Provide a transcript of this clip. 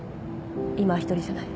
今は一人じゃない。